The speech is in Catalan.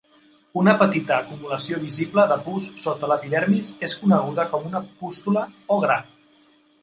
Una petita acumulació visible de pus sota l'epidermis és coneguda com una pústula o gra.